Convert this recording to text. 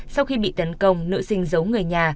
sau khi bị tấn công nữ sinh giấu người nhà